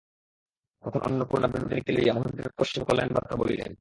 তখন অন্নপূর্ণা বিনোদিনীকে লইয়া মহেন্দ্রের পশ্চিমে পলায়ন-বার্তা বলিলেন।